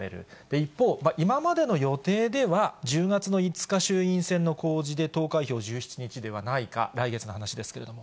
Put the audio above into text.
一方、今までの予定では、１０月の５日衆院選の公示で投開票１７日ではないか、来月の話ですけれども。